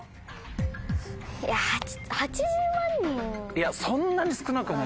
いやそんなに少なくない。